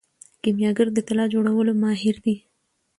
کیمیاګر د طلا جوړولو ماهر دی.